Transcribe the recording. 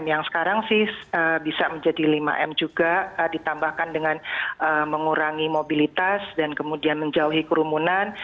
yang sekarang sih bisa menjadi lima m juga ditambahkan dengan mengurangi mobilitas dan kemudian menjauhi kerumunan